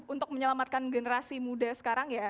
untuk menyelamatkan generasi muda sekarang ya